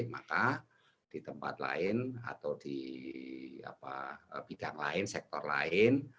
maka di tempat lain atau di bidang lain sektor lain